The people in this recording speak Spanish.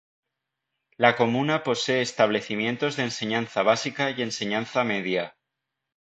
La comuna posee establecimientos de enseñanza básica y enseñanza media.